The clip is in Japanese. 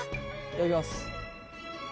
「いただきます」